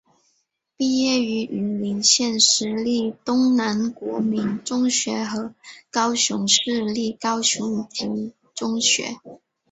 毕业于云林县私立东南国民中学和高雄市立高雄高级中学。